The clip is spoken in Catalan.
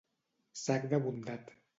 Sac de bondat.